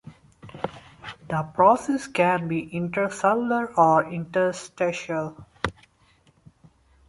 This process can be intracellular or interstitial.